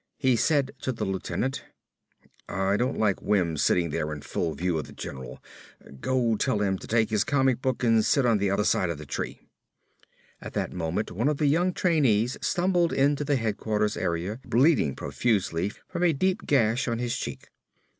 He said to the lieutenant, "I don't like Wims sitting there in full view of the general. Go tell him to take his comic book and sit on the other side of the tree." At that moment one of the young trainees stumbled into the headquarters area bleeding profusely from a deep gash on his cheek.